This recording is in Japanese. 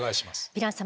ヴィラン様